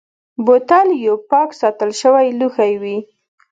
بوتل یو پاک ساتل شوی لوښی وي.